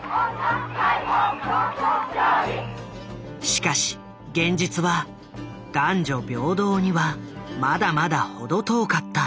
しかし現実は男女平等にはまだまだ程遠かった。